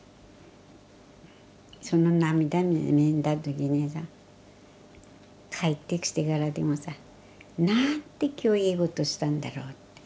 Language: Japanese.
その涙見た時にさ帰ってきてからでもさなんて今日いいことしたんだろうって。